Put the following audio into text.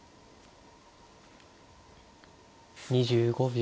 ２５秒。